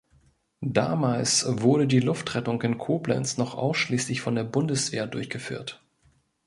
Damals wurde die Luftrettung in Koblenz noch ausschließlich von der Bundeswehr durchgeführt.